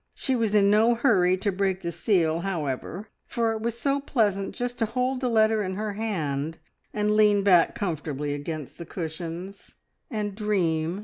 She was in no hurry to break the seal, however, for it was so pleasant just to hold the letter in her hand, and lean back comfortably against the cushions, and dream.